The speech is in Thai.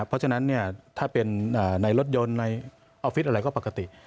เพราะฉะนั้นถ้าเป็นในรถยนต์ในออฟฟิศอะไรก็ปกติ